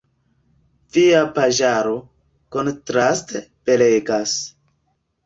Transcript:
Via paĝaro, kontraste, belegas.